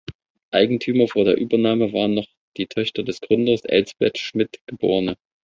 Eigentümer vor der Übernahme waren noch die Töchter des Gründers, Elsbeth Schmid geb.